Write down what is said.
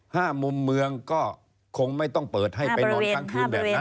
มุมเมืองก็คงไม่ต้องเปิดให้ไปนอนทั้งคืนแบบนั้น